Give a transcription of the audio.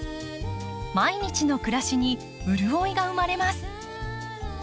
毎日の暮らしに潤いが生まれます。